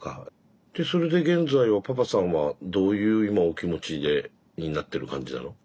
でそれで現在はぱぱさんはどういう今お気持ちになってる感じなの？